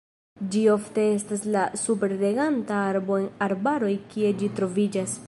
Ĝi ofte estas la superreganta arbo en arbaroj kie ĝi troviĝas.